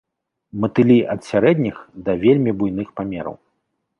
Матылі ад сярэдніх да вельмі буйных памераў.